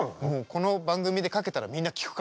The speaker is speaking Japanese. この番組でかけたらみんな聴くから。